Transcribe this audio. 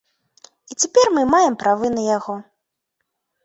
І цяпер мы маем правы на яго.